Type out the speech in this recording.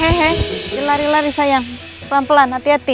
eh eh eh eh lari lari sayang pelan pelan hati hati